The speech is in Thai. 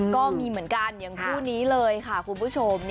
ก็มีเหมือนกันอย่างคู่นี้เลยค่ะคุณผู้ชม